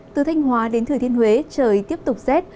từ thanh hóa đến thừa thiên huế trời tiếp tục rét